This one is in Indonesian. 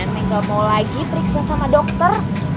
neng gak mau lagi periksa sama dokter